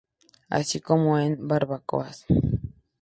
Así como en barbacoas.